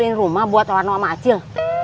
ngebeliin rumah buat warno sama acil